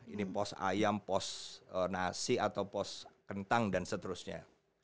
ini pos ayam pos nasi atau pos kentang dan seterusnya